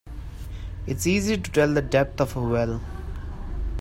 It's easy to tell the depth of a well.